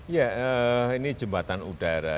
iya ini jembatan udara